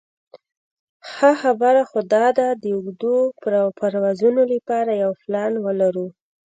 ښه خبره خو داده د اوږدو پروازونو لپاره یو پلان ولرو.